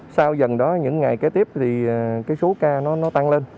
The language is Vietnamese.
sau dần đó những ngày kế tiếp thì cái số ca nó tăng lên